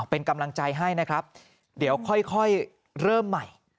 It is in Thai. เป็นกำลังใจให้นะครับเดี๋ยวค่อยเริ่มใหม่